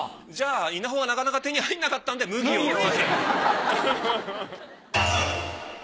じゃあ稲穂がなかなか手に入んなかったんで麦を。